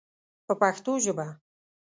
په پښتو ژبه.